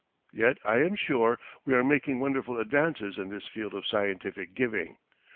Yet I am sure we are making wonderful advances in this field of scientific giving.